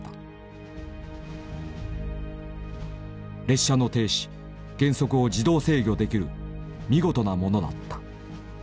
列車の停止減速を自動制御できる見事なものだった。